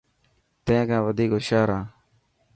تين کان وڌيڪ هوشيار هان.